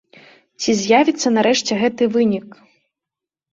Ці з'явіцца нарэшце гэты вынік?